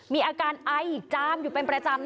มีอาการไอจามอยู่เป็นประจำ